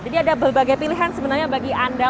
jadi ada berbagai pilihan sebenarnya bagi anda